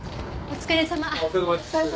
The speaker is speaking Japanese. お疲れさまです。